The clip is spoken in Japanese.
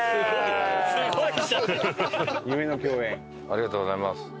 ありがとうございます。